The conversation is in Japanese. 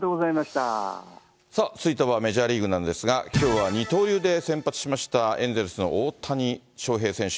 さあ、続いてはメジャーリーグなんですが、きょうは二刀流で先発しましたエンゼルスの大谷翔平選手。